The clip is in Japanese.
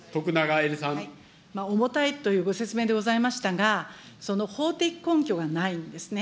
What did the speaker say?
重たいというご説明でございましたが、その法的根拠がないんですね。